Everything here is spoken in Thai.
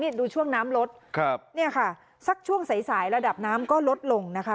นี่ดูช่วงน้ำลดครับเนี่ยค่ะสักช่วงสายสายระดับน้ำก็ลดลงนะคะ